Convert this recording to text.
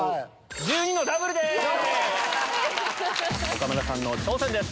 岡村さんの挑戦です。